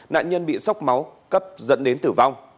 nạn nhân bị sốc máu cấp dẫn đến tử vong